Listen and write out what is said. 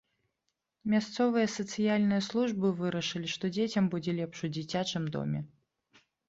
Мясцовыя сацыяльныя службы вырашылі, што дзецям будзе лепш у дзіцячым доме.